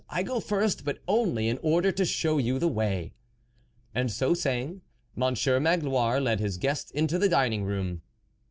I go first, but only in order to show you the way." And so saying, Monsieur Magloire led his guest into the dining room.